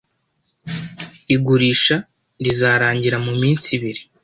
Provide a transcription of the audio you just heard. Igurisha rizarangira muminsi ibiri.